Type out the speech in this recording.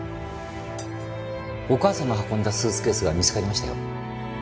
お母さんが運んだスーツケースが見つかりましたよ。